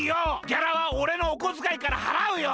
ギャラはおれのおこづかいからはらうよ！